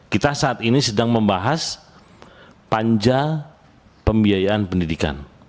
kita saat ini sedang membahas panja pembiayaan pendidikan